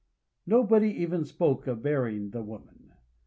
Nobody even spoke of burying the woman.